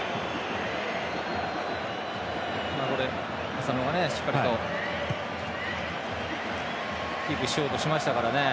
浅野がしっかりキープしようとしましたからね。